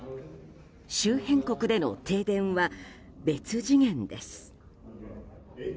周辺国での停電は別次元です。